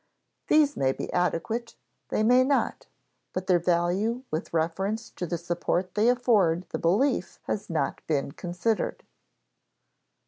These may be adequate, they may not; but their value with reference to the support they afford the belief has not been considered.